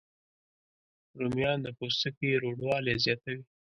رومیان د پوستکي روڼوالی زیاتوي